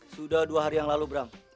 sudah dua hari yang lalu bram